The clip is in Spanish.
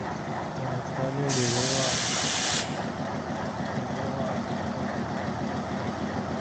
En Austria solo llegó al lugar sesenta y cinco.